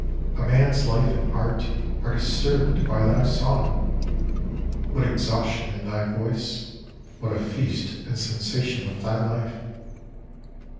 A man's life and art are disturbed by thy song, (What exhaustion in thy voice, What a feast and sensation of thy life